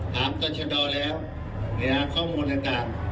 ถามตรชดอแล้วเนี่ยข้อมูลต่าง